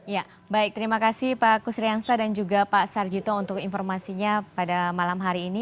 ya baik terima kasih pak kusriansa dan juga pak sarjito untuk informasinya pada malam hari ini